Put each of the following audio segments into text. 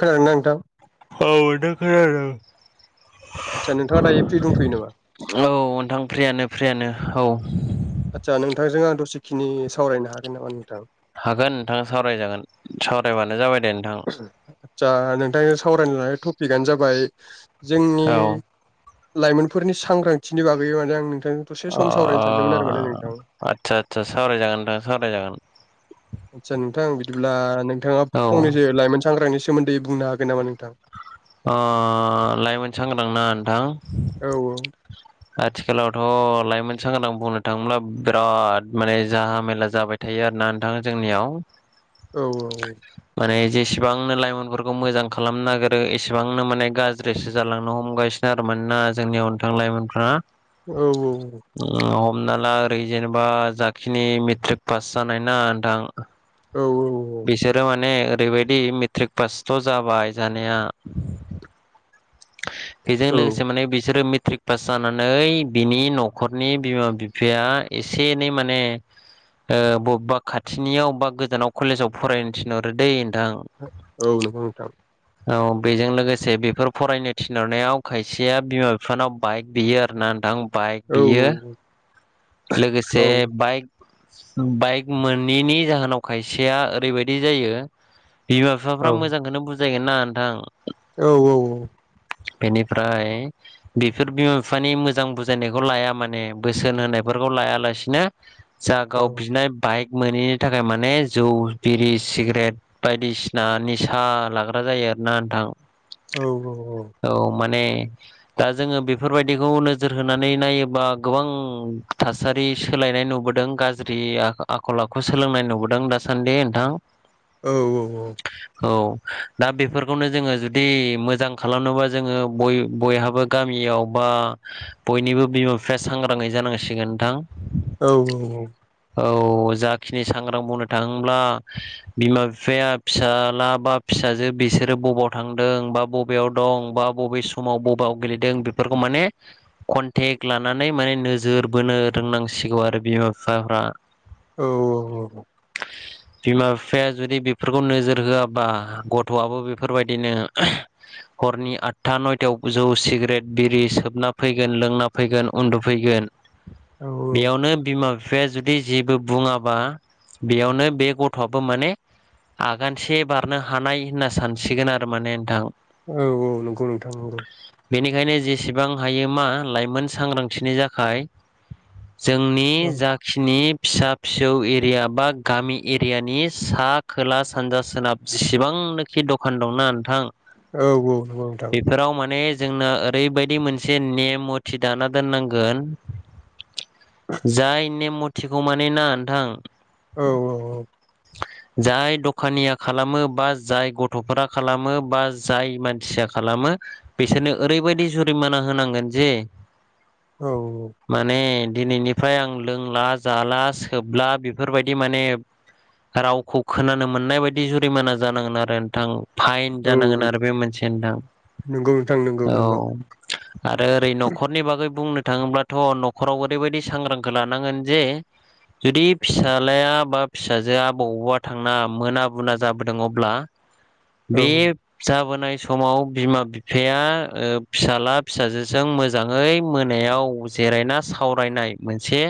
खोनादोंना नोंथां औ दा खोनादों आदसा नोंथाङा दायो फ्रि दंथ'यो नामा औ नोंथां फ्रियानो फ्रियानो औ आदसा नोंथांजों आं दसेखिनि सावरायनो हागोन नामा नोंथां। हागोन नोंथां सावरायजागोन सावरायबानो जाबाय दे नोंथां आतसा नोंथांनि सावरायनो लानाय टपिकआनो जाबाय जोंनि औ लाइमोनफोरनि सांग्रांथिनि बागै माने आं दसे अ सम सावरायनो सानदोंमोन आरो माने नोंथां आदसा आदसा सावरायजागोन नोंथां सावरायजागोन आदसा नोंथां बिदिब्ला नोंथाङा औ फंनैसो लाइमोन सांग्रानि सोमोन्दै बुंनो हागोन नामा नोंथां लाइमोन सांग्रां ना नोंथां औ औ आथिखालावथ' लाइमोन सांग्रां बुंनो थाङोब्ला बिराद माने जाहा मेला जाबाय थायो बे आरो ना नोंथां जोंनियाव औ औ माने जेसेबांनो लाइमोनफोरखौ मोजां खालामनो नागिरो एसेबांनो माने गाज्रिसो जालांनो हमगासिनो मानोना जोंनि नोंथां लाइमोनफोरा औ औ हमना ला ओरै जेनेबा जाखिनि मेट्रिक पास जानायना नोंथां औ बिसोरो माने ओरैबायदि मेट्रिक पासथ' जाबाय जानाया। बेजों औ लोगोसे माने बिसोरो मेट्रिक पास जानानै बिनि न'खरनि बिमा बिफाया एसे एनै माने बबेबा खाथिनियाव बा गोजानाव कलेजाव फरायनो थिनहरो दै। नोंथां औ नोंथां औ बेजों लोगोसे बेफोर फरायनो थिनहरनायाव खायसेया बिमा बिफानाव बाइक बियो आर ना नोंथां बाइक औ बियो। लोगोसे औ बाइक बाइक मोनैनि जाहोनाव खायसेया ओरैबायदि जायो। बिमा औ बिफाफ्रा मोजांखौनो बुजायगोन ना नोंथां औ औ औ बेनिफ्राय बेफोर बिमा बिफानि मोजां बुजायनायखौ लाया माने बोसोन होनाय बेफोरखौ लायालासिनो औ जागाव बिनाय बाइक मोनोैनि थाखाय माने जौ बिरि सिगारेट बायदिसिना निसा लाग्रा जायो। नोंथां औ औ औ माने दा जोङो बेफोरबायदिखौ नोजोर होनानै नायोबा गोबां थासारि सोलायनाय नुबोदों गाज्रि आखल आखु सोलोंनाय नुबोदों दासान्दि नोंथां औ औ औ औ दा बेफोरखौनो जोङो जुदि मोजां खालामनोबा जोङो बयहाबो गामि याव बा बयनिबो बिमा बिफाया सांग्राङै जानांसिगोन नोंथां। औ औ औ जाखिनि सांग्रां मावनो थाङ्ला बिमा बिफाया फिसाला बा फिसाजो बिसोरो बबेयाव थांदों बा बबेयाव दं बा बबे समाव बबेयाव गेलेदों बेफोरखौ माने कन्टेक्ट लानानै माने नोजोर बोनो रोंनांसिगौ आरो बिमा बिफाफ्रा। औ बिमा बिफाया जुदि बेफोरखौ नोजोर होआबा गथ'आबो बेफोरबायदिनो हरनि आटथा नयथायाव जौ सिगारेट बिरि सोबना फैगोन लोंना फैगोन उन्दुफैगोन। औ बेयावनो बिमा बिफ बिफाया जुदि जेबो बुङाबा बेयावनो बे गथ'आबो माने आगानसे बारनो हानाय होनना सानसिगोन आरो माने नोंथां। औ औ नोंगौ नोंथां नंगौ बेनिखायनो जेसेबां हायो मा लाइमोन सांग्रांथिनि थाखाय जोंनि औ जाखिनि फिसा फिसौ एरिया बा गामि एरियानि सा खोला सानजा सोनाब जेसिबां आंनोखि दखान दंना नोंथां औ औ नोंथां। बेफोराव माने जोंना ओरैबायदि मोनसे नेम मथि दाना दोननांगोन। जाय नेम मथिखौ माने ना नथां औ औ औ। जाय दखानिया खालामो बा जाय गथ'फोरा खालामो बा जाय मानसिया खालामो बिसोरनो ओरैबायदि जुरिमाना होनांगोन जे औ। माने दिनैनिफ्राय आं लोंला जाला सोबला बेफोरबायदि माने रावखौ खोनानो मोननाय बायदि जुरिमाना जानांगोन आरो नोंथां। फाइन औ जानांगोन नों आरो बे मोनसे नथां नंगौ नोंथां नंगौ औ नंगौ । आरो ओरै न'खरनि बागै बुंनो थाङोब्लाथ' न'खराव ओरैबायदि सांग्रांखौ लानांगोन जे जुदि फिसाज्लाया बा फिसाजोआ बबावबा थांना मोना बुना जाबोदों अब्ला औ बे जाबोनाय समाव बिमा बिफाया फिसाज्ला फिसाजोजों मोजाङै मोनायाव जिरायना सावरायनाय मोनसे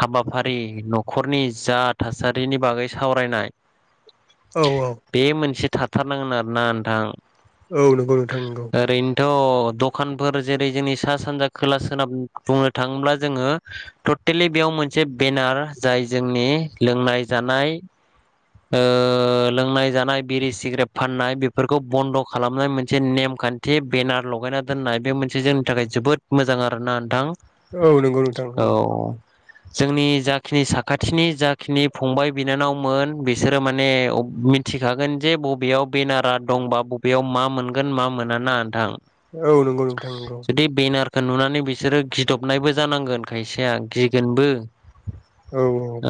हाबाफारि न'खरनि जा थासारिनि बागै सावरायनाय औ बे मोनसे थाथारनांगोन आरोना नोंथां । औ नंगौ नोंथां नंगौ। द' दखानफोर जेरै जोंनि सा सानजा खोला स बुंनो थाङोब्ला जोङो टटेलि बेयाव मोनसे बेनार जाय जोंनि लोंनाय जानाय लोंनाय जानाय बिरि सिग्रेट फाननाय बेफोरखौ बन्द' खालामनाय मोनसे नेम खान्थि बेनार लगायना दोननाय बे मोनसे जोंनि थाखाय जोबोद मोजां आरोना नोंथां। औ नंगौ नोंथां औ नंगौ। जोंनि जाखिनि साखाथिनि जाखिनि फंबाय बिनानावमोन बिसोरो माने मिथिखागोन जे बबेयाव बेनारा दंबा बबेयाव मा मोनगोन मा मोना ना नोंथां औ नंगौ नोंथां नंगौ। खौ नुनानै बिसोरो गिदबनायबो जानांगोन खायसेया गिगोनबो। औ औ।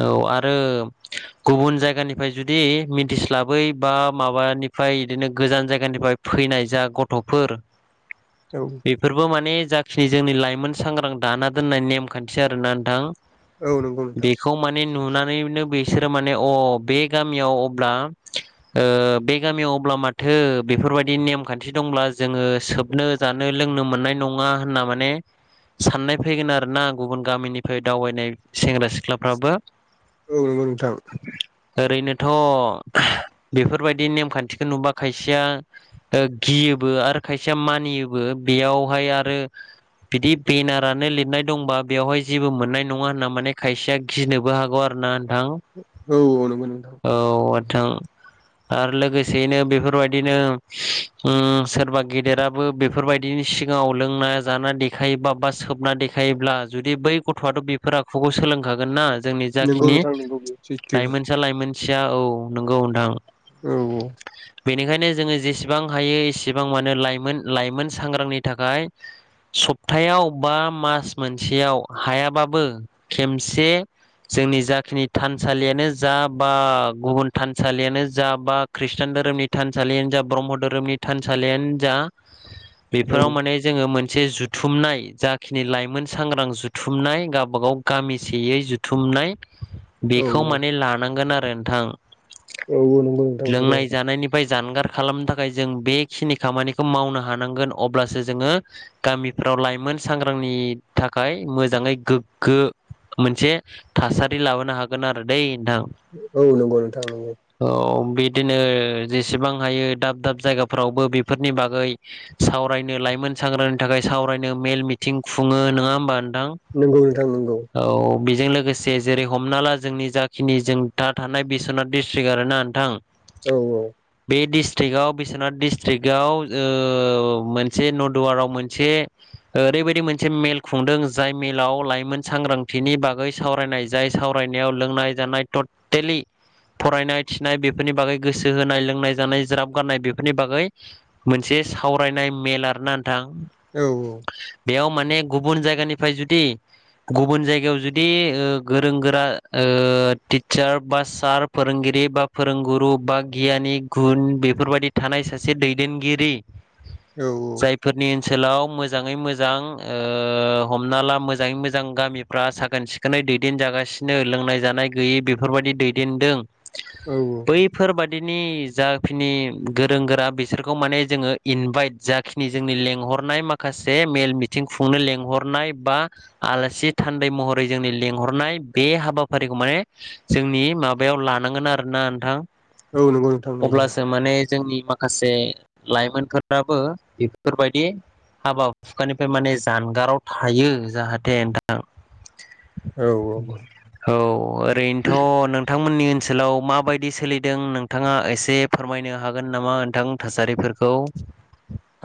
गुबुन जायगानि फ्राय जुदि मिथिस्लाबै बा माबानिफ्राय बिदिनो गोजान जायगानिफ्राय फैनाय जा गथ' फोर बेफोरबो माने जाखिनि जोंनि लाइमोन सांग्रां दाना दोननाय नेमखान्थि आरोना नोंथां औ औ नंगौ नोंथां बेखौ माने नुनानैनो बिसोरो माने अ बे गामियाव अब्ला ओ बे गामियाव अब्ला माथो बेफोरबायदि नेमखान्थि दंब्ला जोङो सोबनो जानो लोंनो मोननाय नङा होनना माने साननाय फैगोन आरोना गुबुन गामिनिफ्राय दावबायनाय सेंग्रा सिख्लाफ्राबो औ नंगौ नोंथां ओरैनोथ' बेफोरबायदि नेमखान्थिखौ नुबा खायसेया ओ गि योबो आरो खायसेया मानियोबो बेयावहाय आरो बिदि बेनारानो लिरनाय दंबा बेवहाय जेबो मोननाय नङा होनना माने खायसेया गिनोबो हागौ आरो ना नों औ औ नंगौ नोंथां औ नोंथां आरो लोगोसेयैनो बेफोरबायदिनो ओम सोरबा गेदेराबो बेफोरबायदि सिगाङाव लोंना जा देखायोबा बा सोबना देखायोब्ला जुदि बै गथ'वाथ' बेफोर आखुखौ सो लोंखागोन ना जोंनि नंगौ जाखिनि नोंथां नंगौ बेयो सैथो लाइमोनसा लाइमोनसिया औ नंगौ नोंथां औ औ बेनिखायनो जोङो जेसेबां हायो एसेबां मानो लाइमोन लाइमोन सांग्रांनि थाखाय सप्तायाव बा मास मोनसेयाव हायाबाबो खेनसे जोंनि जाखिनि थानसालियानो जा बा गुबुन थानसालियानो जा बा खृषटान धोरोमनि थानसालियानो जा ब्रह्म धोरोमनि थानसालियानो जा [inaudible] बेफोराव माने जोङो मोन से जुथुमनाय जाखिनि लाइमोन सांग्रां जुथुमनाय गावबा गाव गामिसेयै जुथुमनाय औ बेखौ औ माने लानांगोन आरो नोंथां औ औ नोंगौ नोंथां नोंगौ लोंनाय जानायनिफ्राय जानगार खालामनो थाखाय जों बेखिनि खामानिखौ मावनो हानांगोन अब्लासो जोङो गामि फोराव लाइमोन सांग्रांनि थाखाय मोजाङै गोग्गो मोनसे थासारि लाबोनो हागोन आरो। दै नोंथां औ नंगौ नोंथां नंगौ औ बिदिनो जेसेबां हायो दाब दाब जायगाफ्रावबो बेफोरनि बागै सावरायनो लाइ मोन सांग्रानि थाखाय सावरायनो मेल मिथिं खुङो नङा होमबा नोंथां नंगौ नोंथां नंगौ औ बेजों लोगोसे जेरै हमना ला जोंनि जाखिनि जों दा थानाय बिस्वनाथ डिस्ट्रिकट आरो ना नोंथां औ औ बे डिस्ट्रिक्टआव बिस्वनाथ डिस्ट्रिक्टआव मोनसे न दुवाराव मोनसे ओरैबायदि मोनसे मेल खुंदों जाय मेलाव लाइमोन सांग्रांथिनि बागै सावरायनाय जाय सावराय नायाव लोंनाय जानाय टटेलि फरायनाय थिनाय बेफोरनि बागै गोसो होनाय लोंनाय जानाय ज्राब गारनाय बेफोरनि बागै मोनसे बे सावरायनाय मेल आरो ना नोंथां औ औ बेयाव माने गुबुन जायगानिफ्राय जुदि गुबुन जायगायाव जुदि ओ गोरों गोरा ओ टिचार बा सार फोरोंगिरि बा फोरोंगुरु बा गियानि गुन बेफोरबायदि थानाय सासे दैदेनगिरि औ जायफोरनि ओनसोलाव मोजाङै मोजां ओ हमना ला मोजाङै मोजां गामिफ्रा साखोन सिखोनै दैदेन जागासिनो लोंनाय जानाय गैयि बेफोरबायदि दैदेनदों औ औ बैफोरबा दिनि जाखिनि गोरों गोरा बिसोरखौ माने जोङो इनभाइट जाखिनि जोंनि लेंहर नाय माखासे मेल मिथिं खुंनो लेंहरनाय बा आलासि थान्दै महरै जोंनि लिं हरनाय बे हाबाफारिखौ माने जोंनि माबायाव लानांगोन आरोना नोंथां औ नोंगौ नोंथां नोंगौ। अब्लासो माने जोंनि माखासे लाइमोनफोराबो बेफोरबायदि हाबा हुखानिफ्राय माने जानगाराव थायो जाहाथे नोंथां। औ औ। औ ओरैनोथ' नोंथां मोननि ओनसोलाव माबायदि सोलिदों नोंथाङा एसे फोरमायनो हागोन नामा नोंथां थासारिफोर खौ?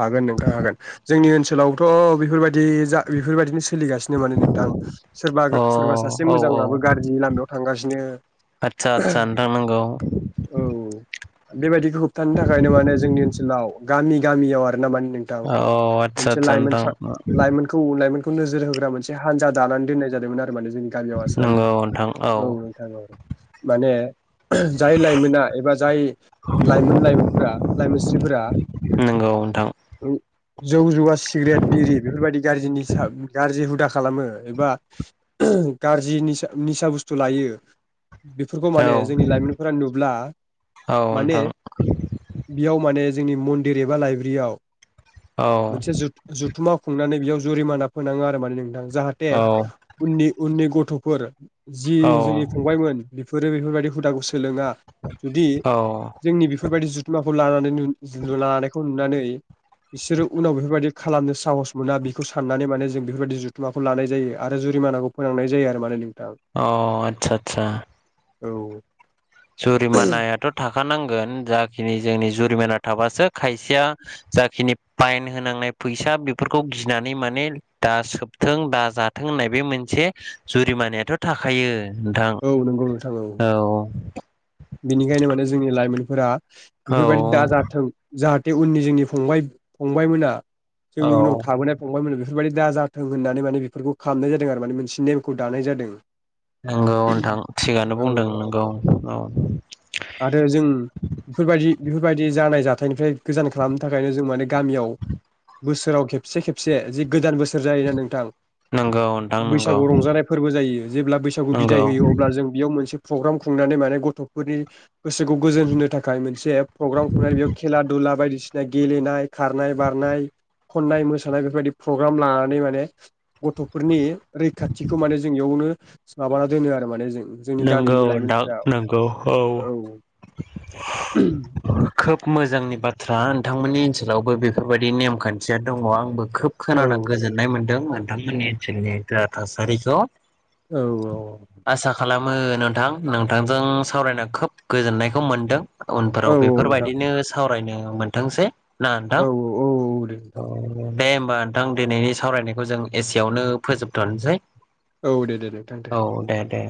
हागोन नोंथां हागोन जोंनि ओनसोलावथ' बेफोरबायदि जा बेफोरबायदिनो सो सोलिगासिनो माने नोंथां सोरबा अ गा सोरबा सासे औ औ मोजाङाबो गारजिनि लामायाव थांगासिनो। आथसा आथसा नोंथां नोंगौ। औ बेबायदिखौ होबथानो थाखायनो माने जोंनि ओनसोलाव गामि गामियाव आरोना मानि नोंथां औ आदसा मोनसे आदसा लाइमोन नोंथां सा लाइमोनखौ लाइमोन खौ नोजोर होग्रा मोनसे हानजा दानानै दोननाय जादोंमोन आरो माने जोंनि गामियाव आसारानो। नंगौ नोंथां औ नोंथां औ माने जाय लाइमोना एबा जाय लाइमोन लाइमोनफ्रा लाइमोनस्रिफोरा नंगौ नोंथां ओं जौ जुवा सिग्रेट बिरि बेफोरबायदि गारजि निसा गारजि हुदा खालामो एबा गारजि निसा निसा बुस्थु लायो बेफोरखौ औ माने जोंनि लाइमोनफोरा नुब्ला औ माने नोंथां बेयाव माने जोंनि मनदिर एबा लाइब्रियाव औ मोनसे जुथ-जुथुमा खुंनानै बियाव जुरिमाना फोनाङो आरो माने नोंथां जाहाथे औ उननि उननि गथ'फोर जि औ जोंनि फंबायमोन बेफोरो बेफोरबायदि हुदाखौ सो सोलोङा जुदि औ जोंनि बेफोरबायदि जुथुमाखौ लानानै नु जु जु लानायखौ नुनानै बिसोरो उनाव बेफोरबायदि खालामनो साहस मोना बेखौ साननानै माने जों बेफोरबादि जुथुमाखौ लानाय जायो। आरो जुरिमानाखौ फोनांनाय जायो आरो माने नों अ आथसा आथसा। औ। जुरिमानायाथ' थाखानांगोन जाखिनि जोंनि जु रिमाना थाबासो खायसेया जाखिनि पाइन होनांनाय फैसा बेफोरखौ गिनानै माने दा सोबथों दा जाथों होननाय बे मोनसे जुरिमानायाथ' थाखायो। नोंथां औ नंगौ नोंथां औ। बेनिखायनो माने जोंनि लाइमोनफोरा औ बेफोरबायदि दाजाथों जाहा थे उननि जोंनि फंबाय फंबायमोना औ जोंनि उनाव थाबोनाय फंबायमोन बेफोरबायदि दा जाथों होननानै माने बेफोरखौ खालामनाय जादों आरो माने मोनसे नेमखौ दानाय जादों। नोंगौ नोंथां थिगानो बुंदों औ नोंगौ औ। आरो जों बेफोरबायदि बेफोरबायदि जानाय जाथायनिफ्राय गोजान खालामनो थाखायनो जों माने गामियाव बोसोराव खेबसे खेबसे जि गोदान बोसोर जायोना नोंथां नंगौ नोंथां नंगौ बैसागु रंजानाय फोरबो जायो जेब्ला बैसागु बिदाय नंगौ होयो अब्ला जों बेयाव मोनसे प्रग्राम खुंनानै माने गथ'फोरनि गोसोखौ गोजोन होनो थाखाय मोनसे प्रग्राम खुंनाय बेयाव खेला दुला बायदिसिना गेलेनाय खारनाय बारनाय खननाय मोसानाय बेफोरबायदि प्रग्राम लानानै माने गथ'फोरनि रैखाथिखौ माने जों बेयावनो माबाना दोनो आरो माने जों। जोंनि नोंगौ गामिनि लाइमोनफोरा नोंथां नोंगौ औ। खोब मोजांनि बाथ्रा नोंथांमोननि ओनसोलावबो बेफोरबायदि नेमखान्थिया दङ आंबो खोब औ खोनाना गोजोननाय मोन्दों नोंथांमोननि ओनसोलनि जा थासारिखौ। औ औ। आसा खालामो नोंथां नोंथांजों सावरायना खोब गोजोननायखौ मोन्दों। औ उनफोराव नोंथां बेफोरबायदिनो सावरायनो मोनथोंसै। ना नोंथां औ औ औ दे नोंथां दे ओमबा होमबा नोंथां दिनैनि सावरायनायखौ जों एसेयावनो फोजोबथ'नोसै औ दे-दे नोंथां दे औ दे